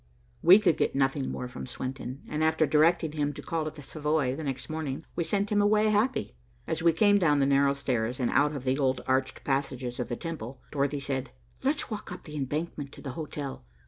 We could get nothing more from Swenton and, after directing him to call at the Savoy the next morning, we sent him away happy. As we came down the narrow stairs and out of the old arched passages of the Temple, Dorothy said, "Let's walk up the embankment to the hotel.